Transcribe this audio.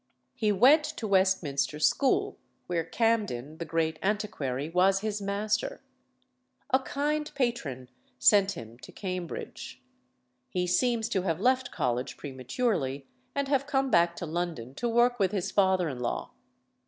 He went to Westminster school, where Camden, the great antiquary, was his master. A kind patron sent him to Cambridge. He seems to have left college prematurely, and have come back to London to work with his father in law.